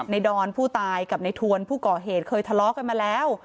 ดอนผู้ตายกับในทวนผู้ก่อเหตุเคยทะเลาะกันมาแล้ว